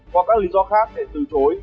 hoặc các lý do khác để từ chối